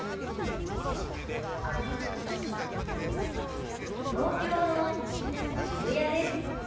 「東京の渋谷です」。